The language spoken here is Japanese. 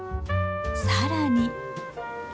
更に。